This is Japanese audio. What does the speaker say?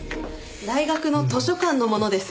大学の図書館のものです。